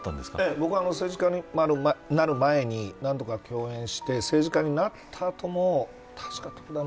僕は政治家になる前に何度か共演して政治家になった後も確か、とくダネ！